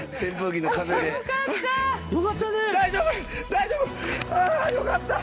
大丈夫？ああよかった！